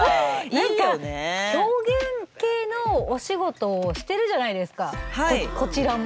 何か表現系のお仕事をしてるじゃないですかこちらも。